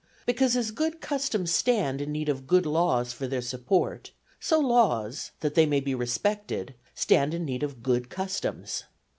Because as good customs stand in need of good laws for their support, so laws, that they may be respected, stand in need of good customs.